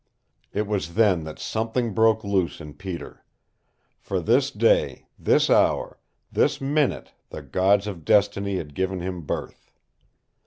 It was then that something broke loose in Peter. For this day, this hour, this minute the gods of destiny had given him birth.